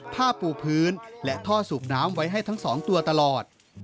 ผ้าปูพื้นและท่อสูบน้ำไว้ให้ทั้งสองตัวตลอด